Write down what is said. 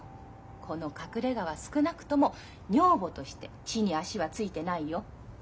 この隠れがは少なくとも女房として地に足はついてないよ。